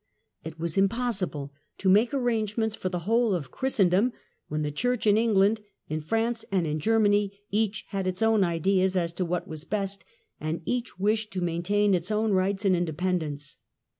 It was impossible to make arrange ments for the whole of Christendom, when the Church in England, in France and in Germany each had its own ideas as to what was best, and each wished to maintain its own rights and independence.